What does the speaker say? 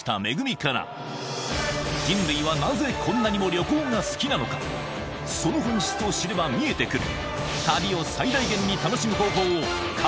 観光人類学の研究者その本質を知れば見えてくる